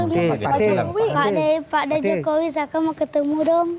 pak jokowi pak da jokowi saka mau ketemu dong